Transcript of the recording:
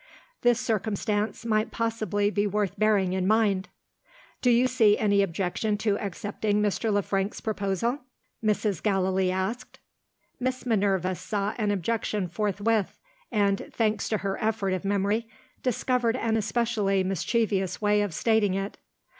This circumstance might possibly be worth bearing in mind. "Do you see any objection to accepting Mr. Le Frank's proposal?" Mrs. Gallilee asked. Miss Minerva saw an objection forthwith, and, thanks to her effort of memory, discovered an especially mischievous way of stating it.